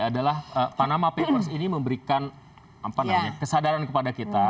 adalah panama papers ini memberikan kesadaran kepada kita